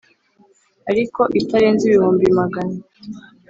ariko itarenze ibihumbi magana